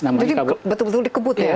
jadi betul betul dikebut ya